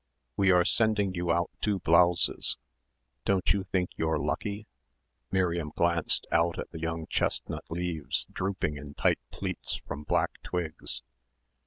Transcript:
"We are sending you out two blouses. Don't you think you're lucky?" Miriam glanced out at the young chestnut leaves drooping in tight pleats from black twigs